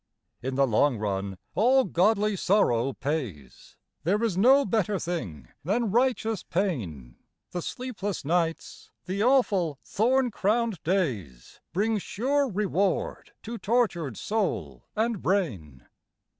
In the long run all godly sorrow pays, There is no better thing than righteous pain, The sleepless nights, the awful thorn crowned days, Bring sure reward to tortured soul and brain.